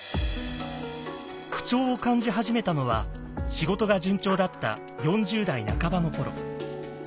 不調を感じ始めたのは仕事が順調だった４０代半ばの頃。